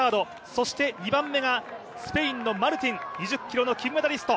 そして２番目がスペインのマルティン２０ｋｍの金メダリスト。